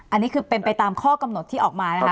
อันนี้คือเป็นไปตามข้อกำหนดที่ออกมานะคะ